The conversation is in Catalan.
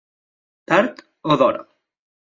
Tard o d'hora.